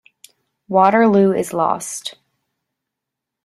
Waterloo is lost.